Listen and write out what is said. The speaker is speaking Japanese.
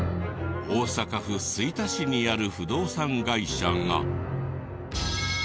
大阪府吹田市にある不動産会社が。